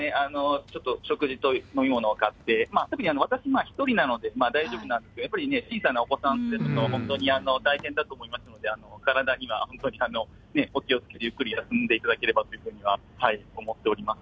ちょっと食事と飲み物を買って、特に私、１人なので大丈夫なんですが、やっぱり小さなお子さん連れてると本当に大変だと思いますので、体には本当にお気をつけて、ゆっくり進んでいただければというふうには思っております。